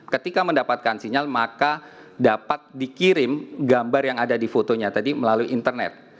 ketika mendapatkan sinyal maka dapat dikirim gambar yang ada di fotonya tadi melalui internet